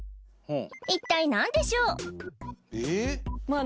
一体何でしょう？